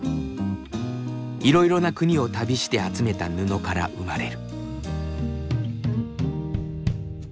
いろいろな国を旅して集めた布から生まれる。